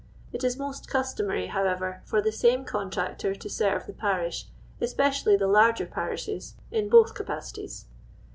It is most customary, however, for the same con tractor to serve the parish, especially the hirger parishefl, in both capacities.